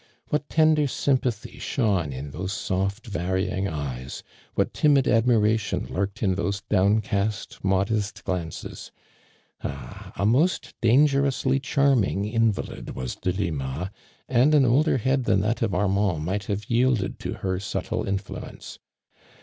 What ten der sympathy shone in those soft varying eyes, what timid admiration lurked in those tlowncast, modest glances ! Ah ! a most tlangerously ckarming invalid was Delima, and an older head than that of Armand might have yielded to hei' subtle influence.